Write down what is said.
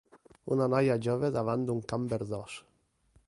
Una noia jove davant d'un camp verdós